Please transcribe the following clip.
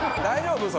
大丈夫？